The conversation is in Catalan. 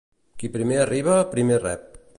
Qui primer arriba, primer rep.